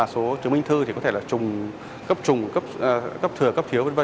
số chứng minh thư thì có thể là trùng cấp trùng cấp thừa cấp thiếu